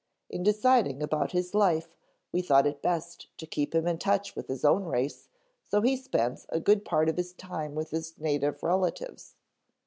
In deciding about his life we thought it best to keep him in touch with his own race so he spends a good part of his time with his native relatives.